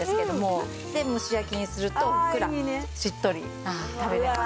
で蒸し焼きにするとふっくらしっとり食べれます。